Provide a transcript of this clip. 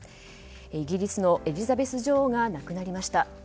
イギリスのエリザベス女王が亡くなりました。